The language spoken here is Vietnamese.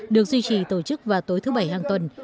được duy trì tổ chức vào tối thứ bảy hàng tuần